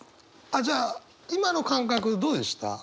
あっじゃあ今の感覚どうでした？